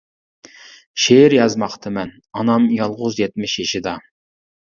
شېئىر يازماقتىمەن، ئانام يالغۇز يەتمىش يېشىدا.